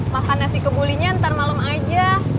makan nasi kebulinya ntar malam aja